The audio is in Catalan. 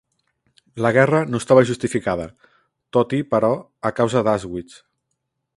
La guerra no estava justificada "tot i però a causa d'Auschwitz".